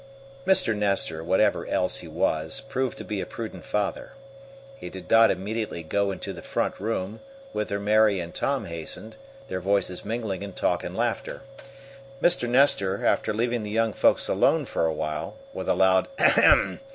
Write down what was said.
Mr. Nestor, whatever else he was, proved to be a prudent father. He did not immediately go into the front room, whither Mary and Tom hastened, their voices mingling in talk and laughter. Mr. Nestor, after leaving the young folks alone for a while, with a loud "Ahem!"